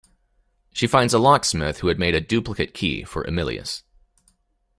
She finds a locksmith who had made a duplicate key for Emilius.